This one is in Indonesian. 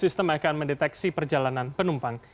sistem akan mendeteksi perjalanan penumpang